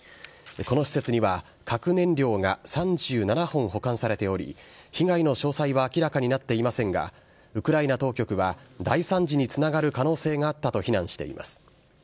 この施設には核燃料が３７本保管されており、被害の詳細は明らかになっていませんが、ウクライナ当局は大惨事につながる可能性があったと非難しています。